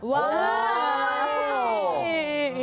ว้าว